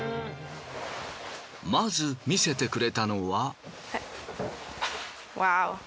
まず見せてくれたのは。